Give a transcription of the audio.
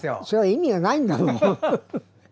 それは意味がないんだもん。